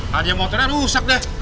hadiah motornya rusak deh